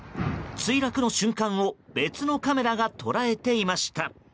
墜落の瞬間を別のカメラが捉えていました。